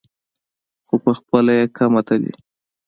خو پخپله یې کمه تلي.